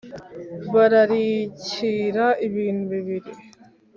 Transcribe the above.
Bararikira ibintu bibi